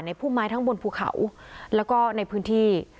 พุ่มไม้ทั้งบนภูเขาแล้วก็ในพื้นที่